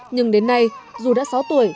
nhưng đến nay dù đã sáu tuổi